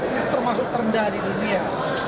itu termasuk terendah di dunia